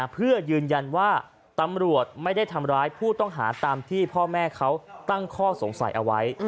เพื่อยืนยันว่าตำรวจไม่ได้ทำร้ายผู้ต้องหาตามที่พ่อแม่เขาตั้งข้อสงสัยเอาไว้